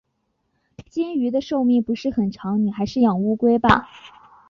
金鱼的寿命不是很长，你还是养乌龟吧。